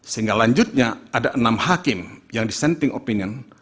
sehingga lanjutnya ada enam hakim yang dissenting opinion